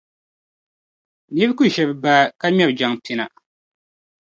Nira ku ʒiri baa ka ŋmɛri jaŋ’ pina.